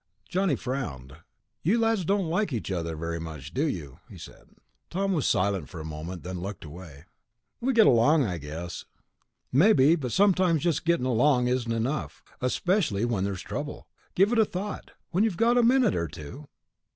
Johnny frowned. "You lads don't like each other very much, do you?" he said. Tom was silent for a moment. Then he looked away. "We get along, I guess." "Maybe. But sometimes just gettin' along isn't enough. Especially when there's trouble. Give it a thought, when you've got a minute or two...."